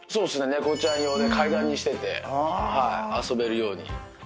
猫ちゃん用で階段にしてて遊べるように。